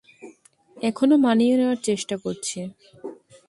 এখনও মানিয়ে নেওয়ার চেষ্টা করছি।